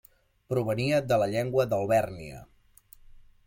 Provenia de la Llengua d'Alvèrnia.